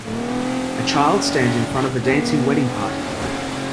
A child stands in front of a dancing wedding party.